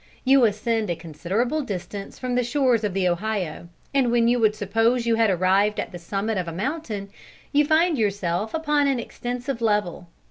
You ascend a considerable distance from the shores of the Ohio, and when you would suppose you had arrived at the summit of a mountain, you find yourself upon an extensive level.